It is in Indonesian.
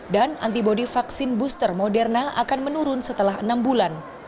dan antibody vaksin booster moderna akan menurun setelah enam bulan